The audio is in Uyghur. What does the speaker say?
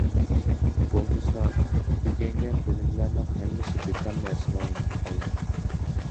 بولمىسا ئۆگەنگەن بىلىملەرنىڭ ھەممىسى بىكار نەرسىگە ئايلىنىپ قالىدۇ.